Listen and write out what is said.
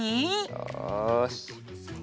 よし。